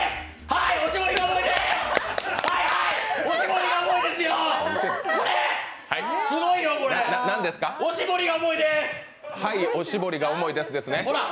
「はい、おしぼりが重いです」ですね。